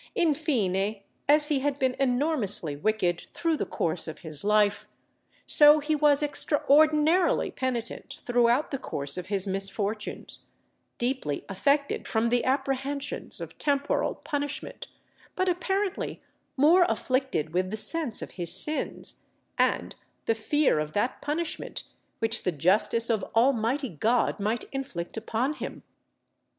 In fine, as he had been enormously wicked through the course of his life, so he was extraordinarily penitent throughout the course of his misfortunes, deeply affected from the apprehensions of temporal punishment, but apparently more afflicted with the sense of his sins, and the fear of that punishment which the justice of Almighty God might inflict upon him.